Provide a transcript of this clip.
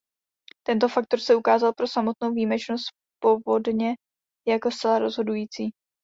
Tento faktor se ukázal pro samotnou výjimečnost povodně jako zcela rozhodující.